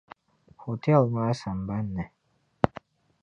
Hotel maa sambani ni.